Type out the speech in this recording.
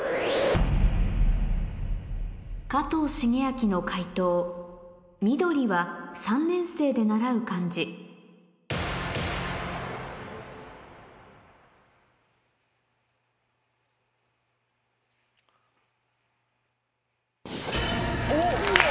加藤シゲアキの解答「緑は３年生で習う漢字」おっ！